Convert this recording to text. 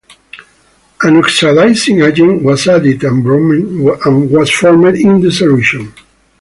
An oxidizing agent was added, and bromine was formed in the solution.